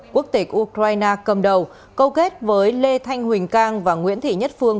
quốc tịch ukraine cầm đầu câu kết với lê thanh huỳnh cang và nguyễn thị nhất phương